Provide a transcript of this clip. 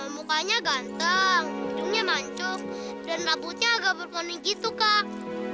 mukanya ganteng ujungnya mancuk dan rambutnya agak berponi gitu kak